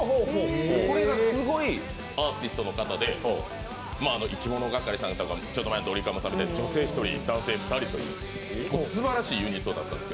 これがすごいアーティストの方でいきものがかりさんとか、ちょっと前のドリカムさんみたいに女性１人、男性２人というすばらしいユニットなんです。